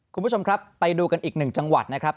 คุณผู้ชมครับไปดูกันอีกหนึ่งจังหวัดนะครับ